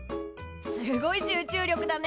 すごい集中力だね。